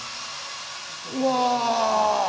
うわ！